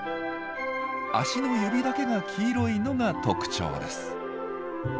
足の指だけが黄色いのが特徴です。